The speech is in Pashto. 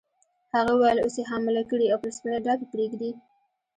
هغې وویل: اوس يې حامله کړې او پر سپېره ډاګ یې پرېږدې.